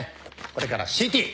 これからＣＴ。